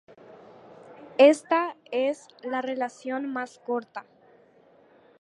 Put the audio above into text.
Esta es la relación más corta.